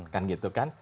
kan gitu kan